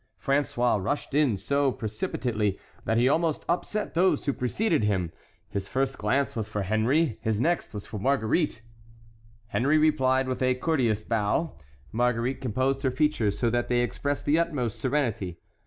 François rushed in so precipitately that he almost upset those who preceded him. His first glance was for Henry; his next was for Marguerite. Henry replied with a courteous bow; Marguerite composed her features so that they expressed the utmost serenity.